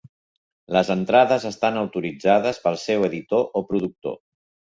Les entrades estan autoritzades pel seu editor o productor.